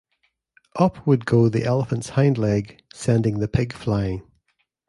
Up would go the elephant's hind leg, sending the pig flying.